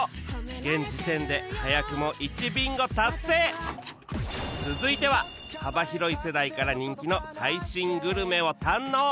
現時点で早くも続いては幅広い世代から人気の最新グルメを堪能